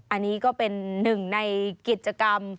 อันนี้ก็เป็นหนึ่งในกิจกรรม